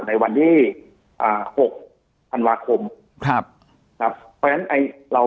จนถึงปัจจุบันมีการมารายงานตัว